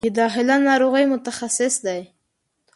د داخله ناروغیو متخصص دی